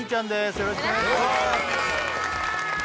よろしくお願いします